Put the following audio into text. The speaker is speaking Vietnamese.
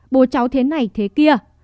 bố cháu thế này thế kia